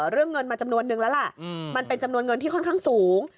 เรื่องเงินมาจำนวนนึงแล้วแหละมันเป็นจำนวนเงินที่ค่อนข้างสูง